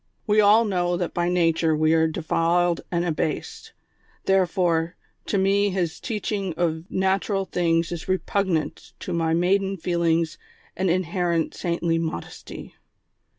We all know that by nature we are defiled and abased ; therefore, to me his teaching of natural things is repugnant to my maiden feelings and inherent saintly modesty."